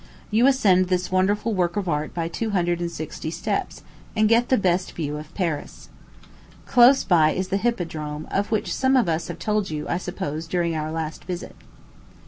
You ascend this wonderful work of art by two hundred and sixty steps, and get the best view of Paris. Close by is the Hippodrome, of which some of us have told you, I suppose, during our last visit.